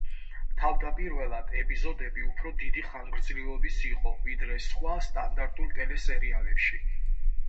თავდაპირველად ეპიზოდები უფრო დიდი ხანგრძლივობის იყო, ვიდრე სხვა სტანდარტულ ტელესერიალებში.